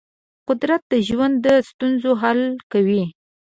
قدرت د ژوند د ستونزو حل کوي.